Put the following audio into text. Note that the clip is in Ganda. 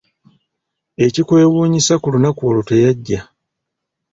Ekikwewuunyisa ku lunaku olwo teyajja.